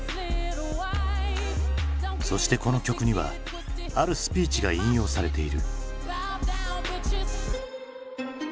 そしてこの曲にはあるスピーチが引用されている。